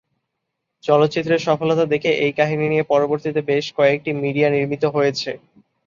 চলচ্চিত্রের সফলতা দেখে এই কাহিনী নিয়ে পরবর্তীতে বেশ কয়েকটি মিডিয়া নির্মিত হয়েছে।